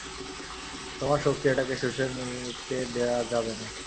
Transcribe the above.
তোমার শক্তি এটাকে শুষে নিতে দেয়া যাবে না।